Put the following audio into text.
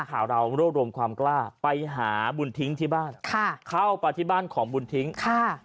เข้าไปที่บ้านของบุญทิ้งค่ะ